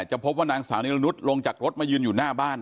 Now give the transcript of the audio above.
พบว่านางสาวนิรนุษย์ลงจากรถมายืนอยู่หน้าบ้าน